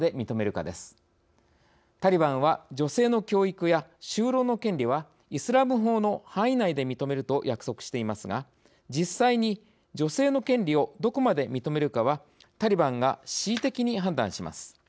タリバンは女性の教育や就労の権利はイスラム法の範囲内で認めると約束していますが実際に女性の権利をどこまで認めるかはタリバンが恣意的に判断します。